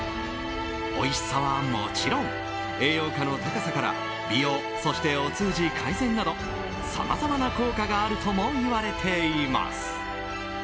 おいしさはもちろん栄養価の高さから美容、そしてお通じ改善などさまざまな効果があるともいわれています。